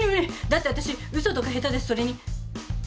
だって私嘘とか下手だしそれに。